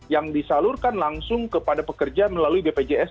yang disalurkan langsung kepada pekerja melalui bpjs